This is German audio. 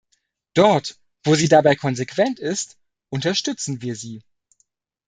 Dort, wo sie dabei konsequent ist, unterstützen wir sie.